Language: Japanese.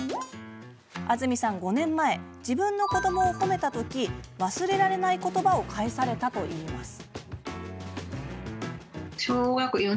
安住さんは５年前自分の子どもを褒めた時忘れられない言葉を返されたといいます。